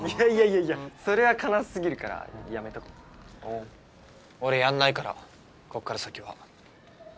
いやいやそれは悲しすぎるからやめとこおう俺やんないからこっから先はえっ？